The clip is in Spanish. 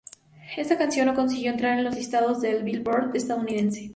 Esta canción no consiguió entrar en los listados del "Billboard" estadounidense.